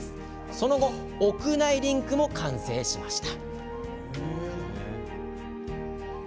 その後、屋内リンクも完成しました。